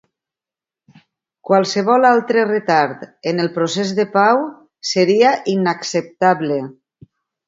Qualsevol altre retard en el procés de pau seria inacceptable.